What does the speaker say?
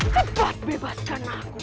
cepat bebaskan aku